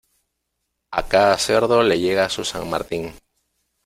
A cada cerdo le llega su San Martín.